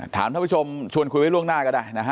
ท่านผู้ชมชวนคุยไว้ล่วงหน้าก็ได้นะฮะ